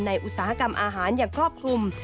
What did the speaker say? อุตสาหกรรมอาหารอย่างครอบคลุม